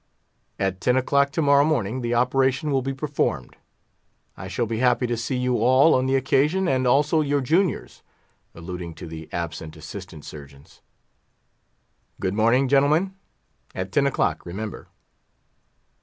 At ten o'clock to morrow morning the operation will be performed. I shall be happy to see you all on the occasion, and also your juniors" (alluding to the absent Assistant Surgeons). "Good morning, gentlemen; at ten o'clock, remember."